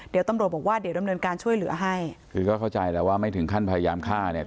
เดี๋ยวตำรวจบอกว่าเดี๋ยวดำเนินการช่วยเหลือให้คือก็เข้าใจแล้วว่าไม่ถึงขั้นพยายามฆ่าเนี่ย